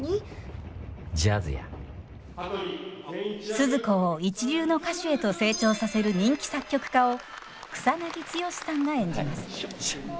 スズ子を一流の歌手へと成長させる人気作曲家を草剛さんが演じます。